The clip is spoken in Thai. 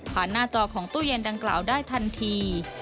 หน้าจอของตู้เย็นดังกล่าวได้ทันที